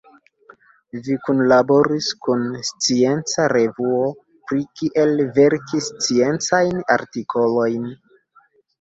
Ni kunlaboris kun scienca revuo pri kiel verki sciencajn artikolojn.